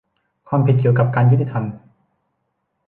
ความผิดเกี่ยวกับการยุติธรรม